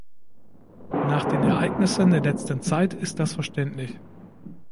Nach den Ereignissen der letzten Zeit ist das verständlich.